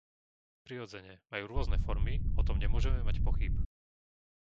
Prirodzene, majú rôzne formy, o tom nemôžeme mať pochýb.